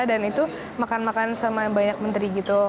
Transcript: dan itu makan makan sama banyak menteri gitu